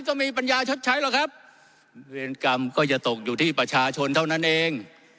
ไม่มีปัญญาชดใช้หรอกครับเวรกรรมก็จะตกอยู่ที่ประชาชนเท่านั้นเอง